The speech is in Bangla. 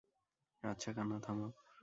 আচ্ছা কান্না থামাও।